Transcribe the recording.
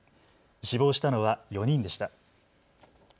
死亡したのは４人でした。